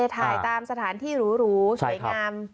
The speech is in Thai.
ถ่ายตามสถานที่หรูสวยงาม